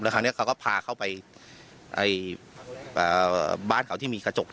คราวนี้เขาก็พาเข้าไปบ้านเขาที่มีกระจก